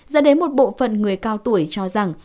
dẫn đến một bộ phận người cao tuổi cho rằng